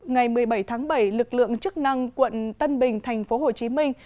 ngày một mươi bảy tháng bảy lực lượng chức năng quận tân bình thành phố hồ chí minh